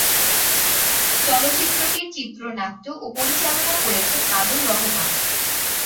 চলচ্চিত্রটির চিত্রনাট্য ও পরিচালনা করেছেন বাদল রহমান।